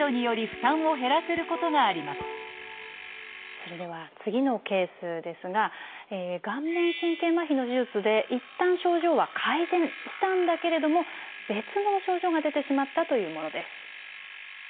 それでは次のケースですが顔面神経麻痺の手術でいったん症状は改善したんだけれども別の症状が出てしまったというものです。